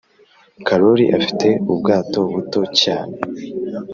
karoli afite ubwato buto cyane